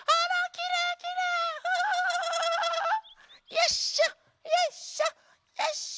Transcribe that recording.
よいしょよいしょよいしょ。